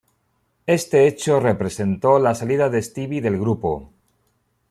Este hecho representó la salida de Stevie del grupo.